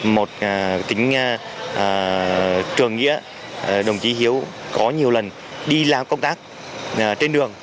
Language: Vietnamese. một kính trường nghĩa đồng chí hiếu có nhiều lần đi làm công tác trên đường